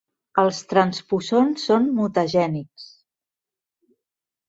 Els transposons són mutagènics.